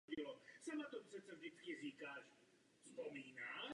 Drúzové jsou zastoupeni v sídlech na vrcholu pohoří Karmel jihozápadně odtud.